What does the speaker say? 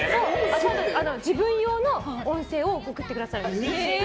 自分用の音声を送ってくださるんです。